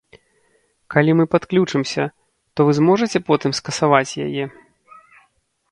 Калі мы падключымся, то вы зможаце потым скасаваць яе?